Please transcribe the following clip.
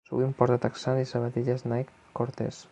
Sovint porta texans i sabatilles Nike Cortez.